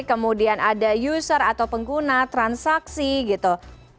kemudian ada user atau pengguna transaksi gitu